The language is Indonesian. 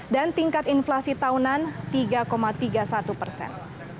dan tingkat inflasi tahunan tiga tiga puluh satu persen